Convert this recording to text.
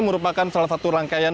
merupakan salah satu rangkaian